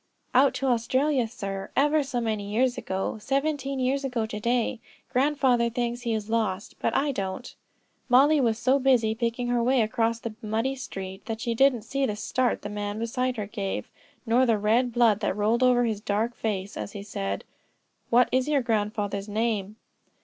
"Out to Australia, sir; ever so many years ago; seventeen years ago to day. Grandfather thinks he is lost, but I don't." Mollie was so busy picking her way across the muddy street that she didn't see the start the man beside her gave, nor the red blood that rolled over his dark face as he said: "What is your grandfather's name?"